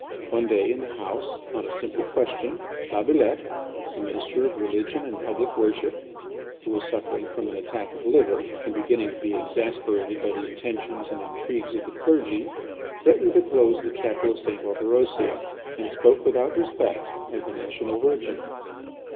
One day in the House, on a simple question, Labillette, the Minister of Religion and Public Worship, who was suffering from an attack of liver, and beginning to be exasperated by the intentions and intrigues of the clergy, threatened to close the Chapel of St. Orberosia, and spoke without respect of the National Virgin.